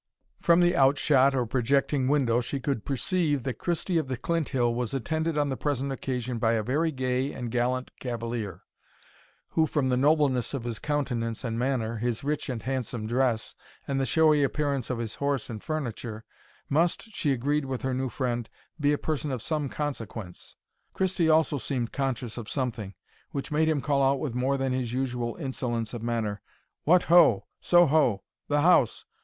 From the outshot or projecting window, she could perceive that Christie of the Clinthill was attended on the present occasion by a very gay and gallant cavalier, who, from the nobleness of his countenance and manner, his rich and handsome dress, and the showy appearance of his horse and furniture, must, she agreed with her new friend, be a person of some consequence. Christie also seemed conscious of something, which made him call out with more than his usual insolence of manner, "What, ho! so ho! the house!